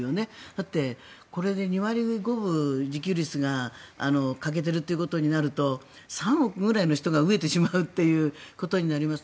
だって、これで２割５分自給率が欠けているということになると３億ぐらいの人が飢えてしまうということになります。